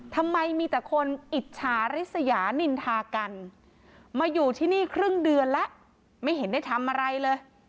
ทำไมมีแต่คนอิจฉาริสยานินทากันมาอยู่ที่นี่ครึ่งเดือนแล้วไม่เห็นได้ทำอะไรเลย